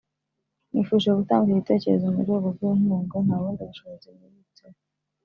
nifuje gutanga iki gitekerezo mu rwego rw’inkunga (nta bundi bushobozi nibitseho